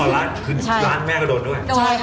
อ๋อล้านแม่กระโดนด้วย